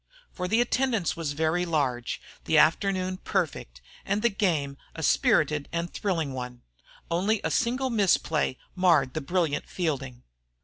For the attendance was very large, the afternoon perfect, and the game a spirited and thrilling one. Only a single misplay marred the brilliant fielding.